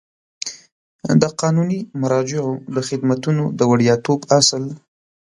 د قانوني مراجعو د خدمتونو د وړیاتوب اصل